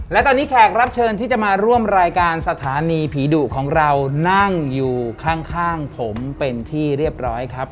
และตอนนี้แขกรับเชิญที่จะมาร่วมรายการสถานีผีดุของเรานั่งอยู่ข้างผมเป็นที่เรียบร้อยครับ